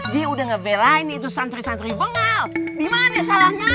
dia udah ngevelain itu santri santri bengel